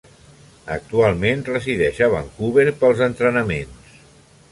Actualment resideix a Vancouver pels entrenaments.